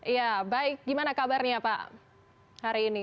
ya baik gimana kabarnya pak hari ini